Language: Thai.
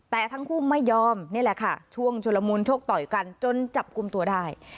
แต่ทั้งคู่ไม่ยอมนี่แหละค่ะช่วงชุลมูลโชคต่อยกันจนจับกลุ่มตัวได้